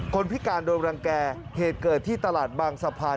พิการโดนรังแก่เหตุเกิดที่ตลาดบางสะพาน